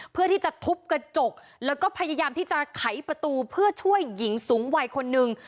เพื่อที่จะทุบกระจกแล้วก็พยายามที่จะไขประตูเพื่อช่วยหญิงสูงวัยคนหนึ่ง